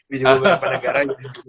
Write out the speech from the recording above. bidungan kepada negara